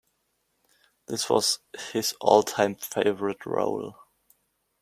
This was his all-time favorite role.